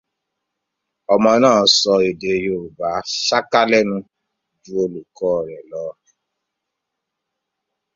Ọmọ náà sọ èdè Yorùbá ṣáká lẹ́nu ju olùkọ́ rẹ̀ lọ.